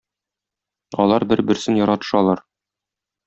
Алар бер-берсен яратышалар.